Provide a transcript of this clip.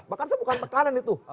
bahkan saya bukan tekanan itu